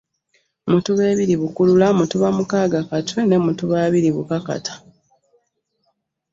Mutuba ebiri- Bukulula, Mutuba mukaaga -Katwe ne Mutuba abiri- Bukakata